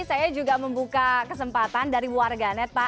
jadi kita sudah membuka kesempatan dari warganet